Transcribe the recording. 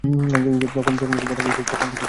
যখন কেউ পথ আঁটকে দেয়, তাকে দুমড়েমুচড়ে দেওয়া উচিৎ।